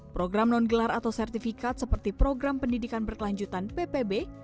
program non gelar atau sertifikat seperti program pendidikan berkelanjutan ppb